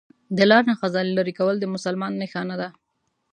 دا لار نه خځلي لري کول د مسلمان نښانه ده